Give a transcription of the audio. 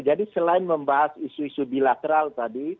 jadi selain membahas isu isu bilateral tadi